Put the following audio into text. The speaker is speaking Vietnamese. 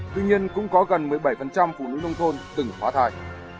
tuy nhiên cũng có gần một mươi bảy phụ nữ nông thôn từng khóa thai